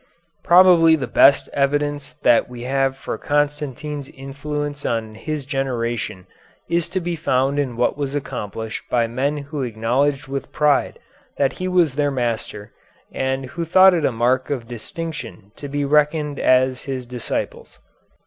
Probably the best evidence that we have for Constantine's influence on his generation is to be found in what was accomplished by men who acknowledged with pride that he was their master, and who thought it a mark of distinction to be reckoned as his disciples.